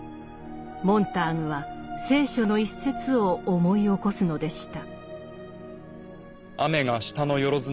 モンターグは聖書の一節を思い起こすのでした。